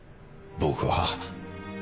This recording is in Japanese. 僕は